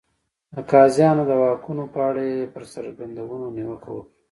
د قاضیانو د واکونو په اړه یې پر څرګندونو نیوکه وکړه.